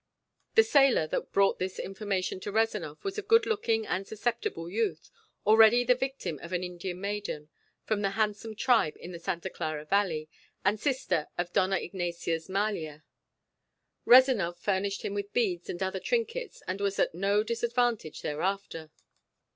The sailor that brought this information to Rezanov was a good looking and susceptible youth, already the victim of an Indian maiden from the handsome tribe in the Santa Clara Valley, and sister of Dona Ignacia's Malia. Rezanov furnished him with beads and other trinkets and was at no disadvantage thereafter.